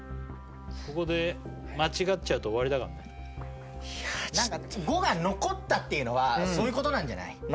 ここで間違っちゃうと終わりだからねいやちょっとなんか５が残ったっていうのはそういうことなんじゃない？